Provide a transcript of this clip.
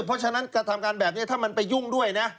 เพราะฉะนั้นกระทำการแบบนี้ถ้ามันไปยุ่งด้วยนะ